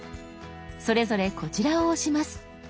それぞれこちらを押します。